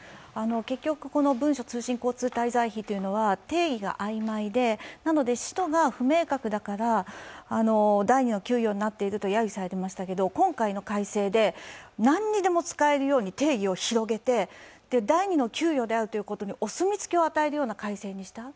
結局、この文書通信交通滞在費というのは定義があいまいでなので、使途が不明確だから第二の給与になっているとやゆされていましたけど今回の改正で、何にでも使えるように定義を広げて、第二の給与であるということのお墨付きを与えるような改定をした。